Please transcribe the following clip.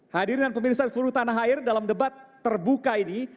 hadir dan pemirsa di seluruh tanah air dalam debat terbuka ini